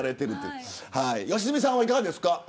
良純さんはいかがですか。